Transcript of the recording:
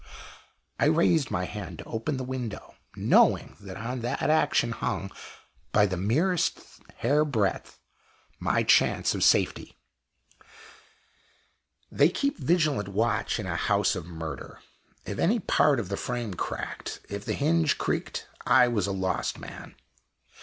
I raised my hand to open the window, knowing that on that action hung, by the merest hair breadth, my chance of safety. They keep vigilant watch in a House of Murder. If any part of the frame cracked, if the hinge creaked, I was a lost man!